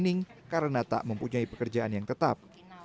kuning karena tak mempunyai pekerjaan yang tetap